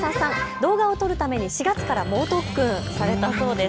動画を撮るために４月から猛特訓されたそうです。